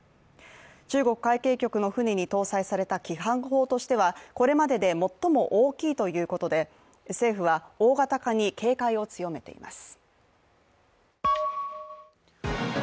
中国海警局の船に搭載された機関砲としてはこれまでで最も大きいということで政府は大型化に警戒を強めています。